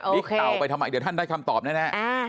นี่เต่าไปทำไมเดี๋ยวท่านได้คำตอบแน่